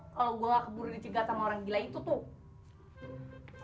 kalo gua ga keburu di cegat sama orang gila itu tuh